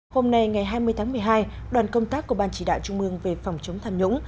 hôm nay ngày hai mươi tháng một mươi hai đoàn công tác của ban chỉ đạo trung mương về phòng chống tham nhũng